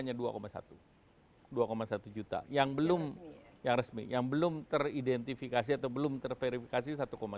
yang belum teridentifikasi atau belum terverifikasi satu tiga